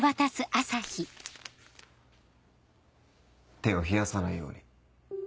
手を冷やさないように。